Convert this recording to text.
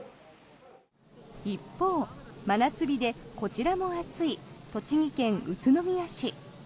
一方、真夏日でこちらも暑い栃木県宇都宮市。